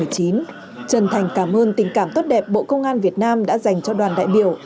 trần thành cảm ơn tình cảm tốt đẹp bộ công an việt nam đã dành cho đoàn đại biểu